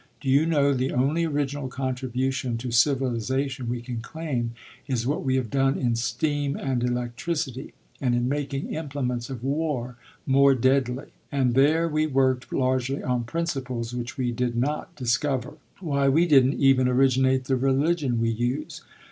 Do you know the only original contribution to civilization we can claim is what we have done in steam and electricity and in making implements of war more deadly? And there we worked largely on principles which we did not discover. Why, we didn't even originate the religion we use.